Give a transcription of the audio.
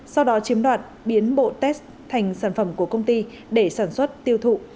sau đó chiếm đoạt biến bộ test thành sản phẩm của công ty để sản xuất tiêu thụ